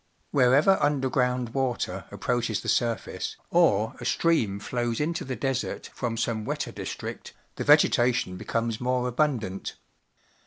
Wheie\ er undei'ground water approaches the surface, or a stream flows into the desert from some wetter district, the vegetation becomes more abundant.